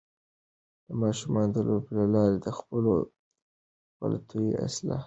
ماشومان د لوبو له لارې د خپلو غلطیو اصلاح زده کوي.